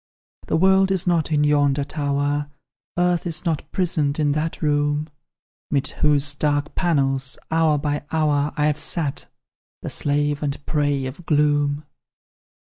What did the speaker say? "The world is not in yonder tower, Earth is not prisoned in that room, 'Mid whose dark panels, hour by hour, I've sat, the slave and prey of gloom.